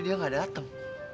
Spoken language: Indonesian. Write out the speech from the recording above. dia gak dateng